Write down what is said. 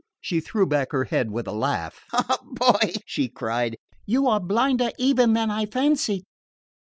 She threw back her head with a laugh. "Boy," she cried, "you are blinder even than I fancied!